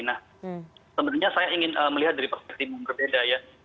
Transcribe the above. nah sebenarnya saya ingin melihat dari perspektif yang berbeda ya